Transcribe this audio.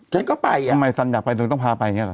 ฉันก็ไปอ่ะทำไมฉันอยากไปจนต้องพาไปอย่างนี้หรอ